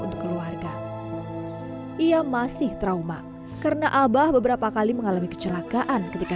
untuk keluarga ia masih trauma karena abah beberapa kali mengalami kecelakaan ketika